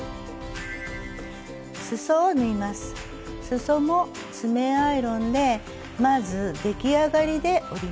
すそも爪アイロンでまず出来上がりで折ります。